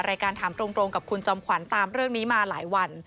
รายการถามตรงกับคุณจอมขวัญตามเรื่องนี้มาหลายวัน